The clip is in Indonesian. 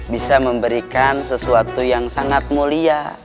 bisa memberikan sesuatu yang sangat mulia